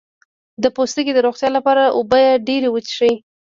د پوستکي د روغتیا لپاره اوبه ډیرې وڅښئ